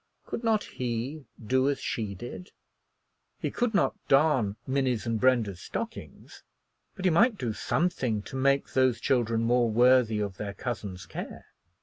Could not he do as she did? He could not darn Minnie's and Brenda's stockings, but he might do something to make those children more worthy of their cousin's care.